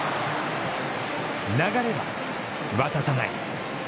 流れは渡さない。